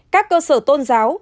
các cơ sở tôn giáo